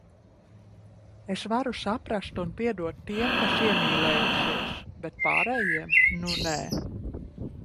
Es varu saprast un piedot tiem, kas iemīlējušies, bet pārējiem- nu, nē.